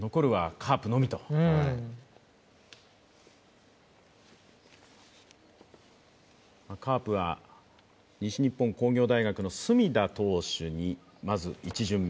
カープは西日本工業大学の隅田投手にまず１巡目。